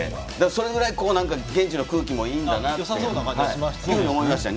それぐらい現地の空気もいいと思いました。